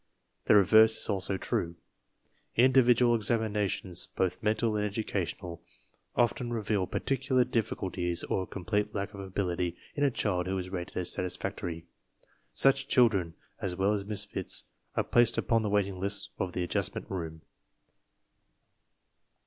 The reverse is also true. Individual examinations, both mental and educational, often reveal particular diffi culties or complete lack of ability in a child who is rated as satisfactory. Such children, as well as "misfits," are placed upon the waiting list of the Adjustment Room.